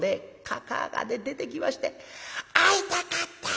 かかあがね出てきまして『会いたかった！』